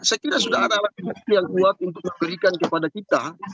saya kira sudah ada alat bukti yang kuat untuk memberikan kepada kita